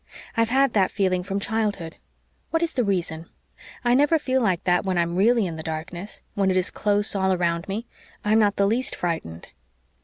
I've had that feeling from childhood. What is the reason? I never feel like that when I'm really in the darkness when it is close all around me I'm not the least frightened."